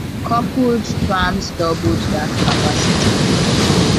Coupled trams doubled that capacity.